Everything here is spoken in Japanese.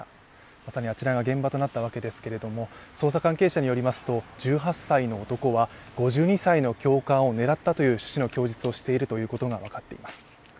まさにあちらが現場となったわけですけれども捜査関係者によりますと１８歳の男は５２歳の教官を狙ったという趣旨の供述をしていることが分かっています。